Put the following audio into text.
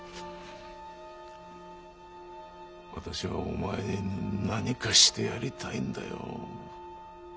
私はお前に何かしてやりたいんだよ。